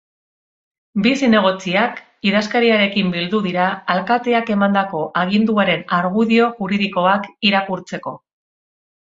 Bi zinegotziak idazkariarekin bildu dira alkateak emandako aginduaren argudio juridikoak irakurtzeko.